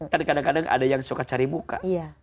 kan kadang kadang ada yang suka cari muka